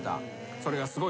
それがすごいです。